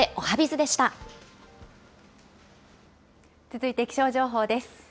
続いて気象情報です。